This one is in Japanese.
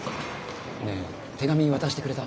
ねえ手紙渡してくれた？